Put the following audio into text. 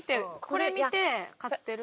これ見て勝ってる？